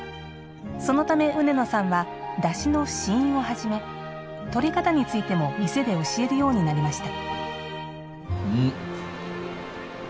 そのため、釆野さんはだしの試飲をはじめとり方についても店で教えるようになりました。